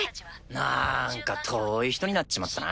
なんか遠い人になっちまったな。